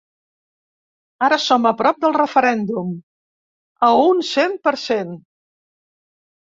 Ara som a prop del referèndum, a un cent per cent.